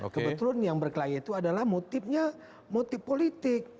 kebetulan yang berkelahi itu adalah motifnya motif politik